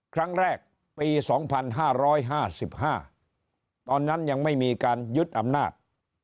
ครั้งแรกปี๒๕๕๕ตอนนั้นยังไม่มีการยึดอำนาจ